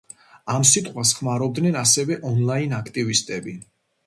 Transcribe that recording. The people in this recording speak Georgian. ამ სიტყვას ხმარობდნენ ასევე ონლაინ აქტივისტები.